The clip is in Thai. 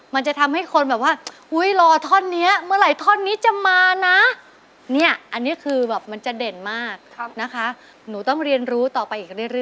มันจะทำให้คนแบบว่าหุ้ยรอท่อนนี้เมื่อไหร่ท่อนนี้จะมานะ